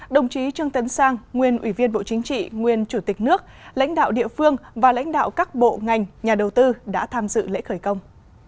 đồng chí trương tấn sang nguyên ủy viên bộ chính trị nguyên chủ tịch nước lãnh đạo địa phương và lãnh đạo các bộ ngành nhà đầu tư đã tham dự lễ khởi công